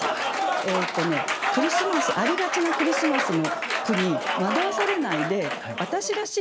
えっとねありがちなクリスマスの句に惑わされないで私らしい